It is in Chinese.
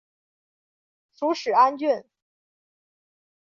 属始安郡。